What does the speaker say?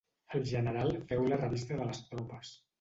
El general feu la revista de les tropes.